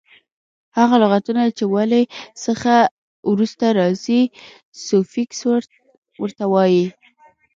هغه لغتونه چي د ولي څخه وروسته راځي؛ سوفیکس ور ته وایي.